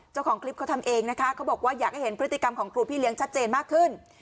เจ้าของคลิปเขาทำเองนะคะเขาบอกว่าอยากให้เห็นพฤติกรรมของครูพี่เลี้ยชัดเจนมากขึ้น